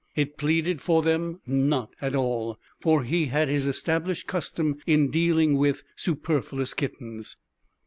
It pleaded for them not at all, for he had his established custom in dealing with superfluous kittens.